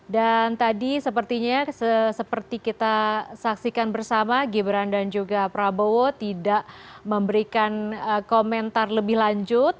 dan tadi sepertinya seperti kita saksikan bersama gibran dan juga prabowo tidak memberikan komentar lebih lanjut